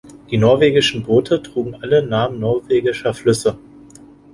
Die norwegischen Boote trugen alle Namen norwegischer Flüsse.